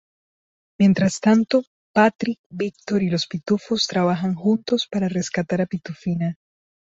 Mientras tanto, Patrick, Victor, y los Pitufos trabajan juntos para rescatar a Pitufina.